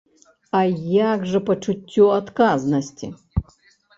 А як жа пачуццё адказнасці?